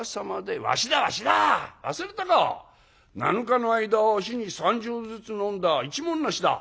７日の間日に３升ずつ飲んだ一文無しだ」。